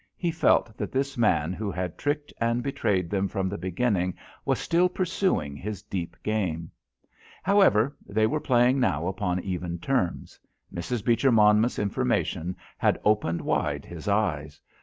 He felt that this man who had tricked and betrayed them from the beginning, was still pursuing his deep game. However, they were playing now upon even terms. Mrs. Beecher Monmouth's information had opened wide his eyes.